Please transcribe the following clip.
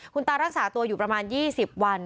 คุณตารักษาตัวอยู่ประมาณ๒๐วัน